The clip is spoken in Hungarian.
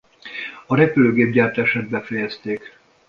A repülőgép gyártását befejezték.